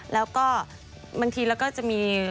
แล้วก็บางทีเราก็จะมี